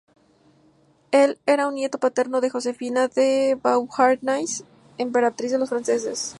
Él era un nieto paterno de Josefina de Beauharnais, emperatriz de los franceses.